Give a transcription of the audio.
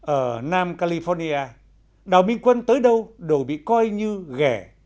ở nam california đảo minh quân tới đâu đều bị coi như ghẻ